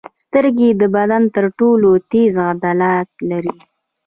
سترګې د بدن تر ټولو تېز عضلات لري.